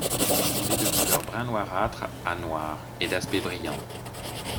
Il est de couleur brun noirâtre à noir et d'aspect brillant.